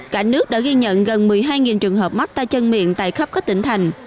cả nước đã ghi nhận gần một mươi hai trường hợp mắc tay chân miệng tại khắp các tỉnh thành